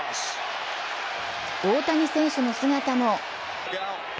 大谷選手の姿も！